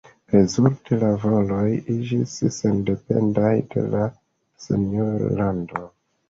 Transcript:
Rezulte, la valoj iĝis sendependaj de la senjor-lando.